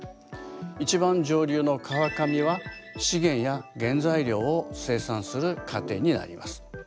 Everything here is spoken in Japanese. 一番上流の川上は資源や原材料を生産する過程になります。